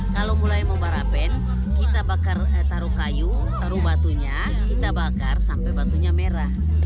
kalau mulai membarapen kita taruh kayu taruh batunya kita bakar sampai batunya merah